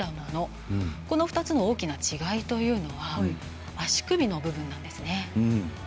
この２つの大きな違いというのは足首の部分なんですね。